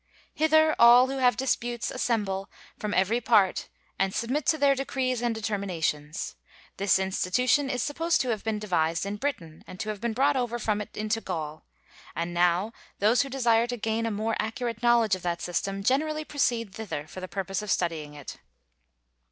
Hither all who have disputes assemble from every part and submit to their decrees and determinations. This institution is supposed to have been devised in Britain, and to have been brought over from it into Gaul; and now those who desire to gain a more accurate knowledge of that system generally proceed thither for the purpose of studying it.